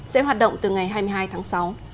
sẽ hoạt động từ ngày hai mươi hai tháng sáu